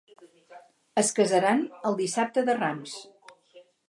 Es casaran el Dissabte de Rams.